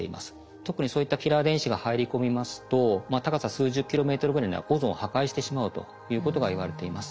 特にそういったキラー電子が入り込みますと高さ数十キロメートルぐらいにはオゾンを破壊してしまうということがいわれています。